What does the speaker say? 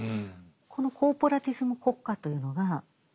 このコーポラティズム国家というのがフリードマン理論